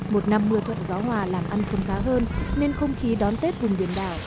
một năm mưa thuận gió hòa làm ăn không khá hơn nên không khí đón tết vùng biển đảo